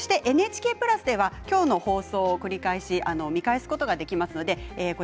ＮＨＫプラスでは今日の放送を繰り返し見返すことができます。